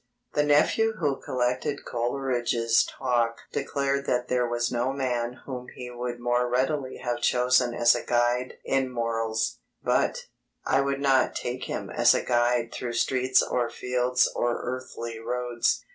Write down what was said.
The nephew who collected Coleridge's talk declared that there was no man whom he would more readily have chosen as a guide in morals, but "I would not take him as a guide through streets or fields or earthly roads."